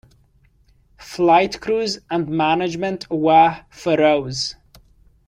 Flight crews and management were Faroese.